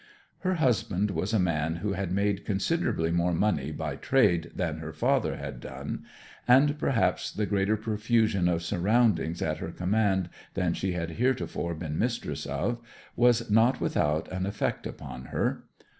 Her husband was a man who had made considerably more money by trade than her father had done: and perhaps the greater profusion of surroundings at her command than she had heretofore been mistress of, was not without an effect upon her.